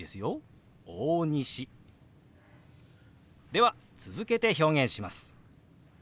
では続けて表現します。